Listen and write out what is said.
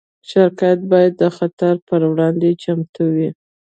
شرکت باید د خطر پر وړاندې چمتو وي.